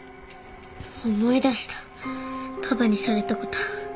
思い出したパパにされたこと。